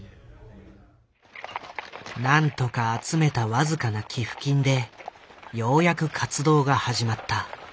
なんとか集めた僅かな寄付金でようやく活動が始まった。